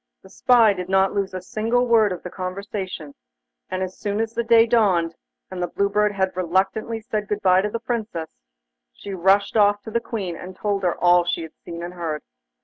The spy did not lose a single word of the conversation, and as soon as the day dawned, and the Blue Bird had reluctantly said good bye to the Princess, she rushed off to the Queen, and told her all she had seen and heard.